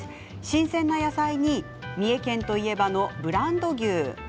新鮮な野菜に三重県といえばのブランド牛。